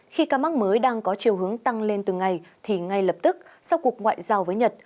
khi ca mắc mới đang có chiều hướng tăng lên từng ngày thì ngay lập tức sau cuộc ngoại giao với nhật